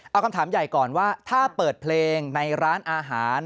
เอาคำถามใหญ่ก่อนว่าถ้าเปิดเพลงในร้านอาหาร